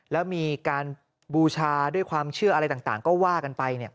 แล้วมีการบูชาด้วยความเชื่ออะไรต่างก็ว่ากันไป